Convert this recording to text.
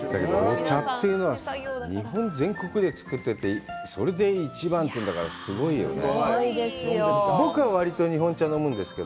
お茶というのは、日本全国で作ってて、それで一番というんだから、すごいよね。